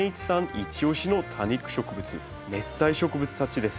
イチオシの多肉植物熱帯植物たちです。